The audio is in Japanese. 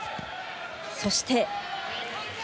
そして。